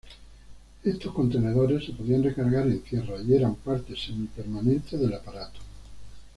Estos contenedores se podían recargar en tierra y eran partes semipermanentes del aparato.